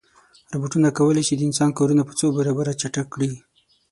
روبوټونه کولی شي د انسان کارونه په څو برابره چټک کړي.